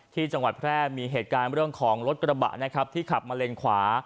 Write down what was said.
ที่จังหวัดแพร่มีเหตุการณ์เรื่องของรถกระบะนะครับที่ขับมาเลนขวา